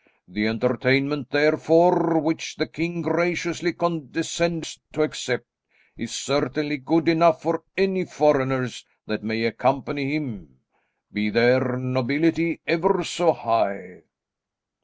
The entertainment therefore, which the king graciously condescends to accept, is certainly good enough for any foreigners that may accompany him, be their nobility ever so high."